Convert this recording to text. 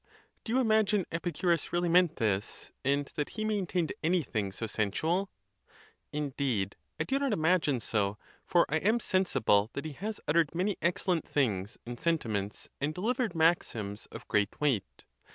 do you imagine Epicurus really meant this, and that he maintained anything so sen sual? Indeed I do not imagine so, for I am sensible that he has uttered many excellent things and sentiments, and delivered maxims of great weight.